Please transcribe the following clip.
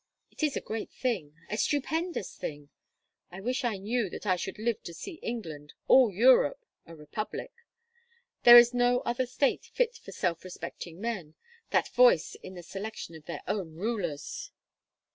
It is a great thing! a stupendous thing! I wish I knew that I should live to see England, all Europe, a republic. There is no other state fit for self respecting men that voice in the selection of their own rulers."